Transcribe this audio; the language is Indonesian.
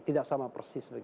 tidak sama persis begitu